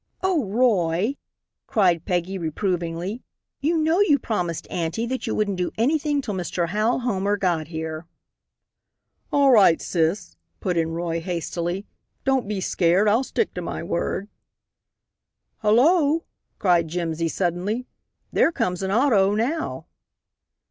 "Oh, Roy!" cried Peggy, reprovingly, "you know you promised aunty that you wouldn't do anything till Mr. Hal Homer got here." "All right, sis," put in Roy, hastily, "don't be scared. I'll stick to my word." "Hullo!" cried Jimsy, suddenly, "there comes an auto now."